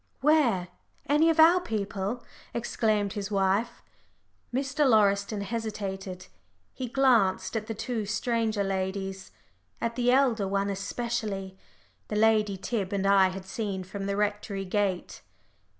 "Where? Any of our people?" exclaimed his wife. Mr. Lauriston hesitated he glanced at the two stranger ladies at the elder one especially the lady Tib and I had seen from the Rectory gate.